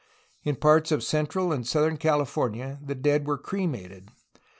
In parts of central and southern California the dead were cremated.